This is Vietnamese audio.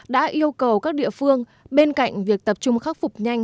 đã yêu cầu các địa phương bên cạnh việc tập trung khắc phục nhanh